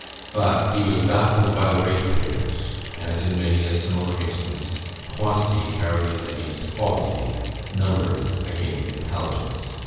But he was baffled by the rate payers; as, in many a similar instance, quantity carried it against quality, numbers against intelligence.